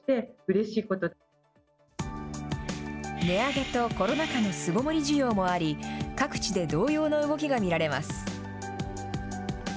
値上げとコロナ禍の巣ごもり需要もあり、各地で同様の動きが見られます。